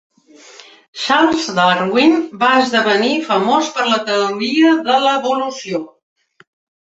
Charles Darwin va esdevenir famós per la teoria de l'evolució.